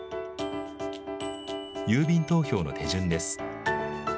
郵便投票の手順です。